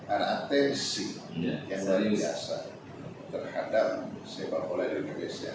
ada atensi yang luar biasa terhadap sepak bola indonesia